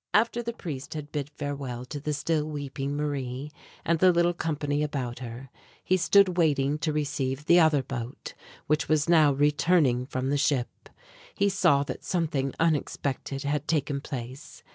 After the priest had bid farewell to the still weeping Marie and the little company about her, he stood waiting to receive the other boat which was now returning from the ship. He saw that something unexpected had taken place.